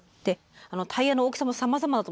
タイヤの大きさもさまざまだと思うんです。